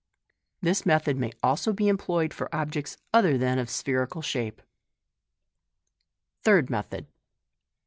This method may also be employed for objects other than of spherical shape. Third Method.